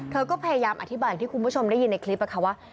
เธอก็พยายามอธิบายที่คุณผู้ชมได้ยินในคลิปค่ะว่า